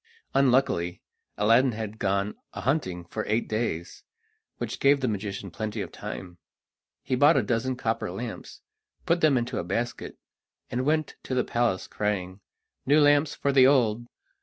Unluckily, Aladdin had gone a hunting for eight days, which gave the magician plenty of time. He bought a dozen copper lamps, put them into a basket, and went to the palace, crying: "New lamps for old!"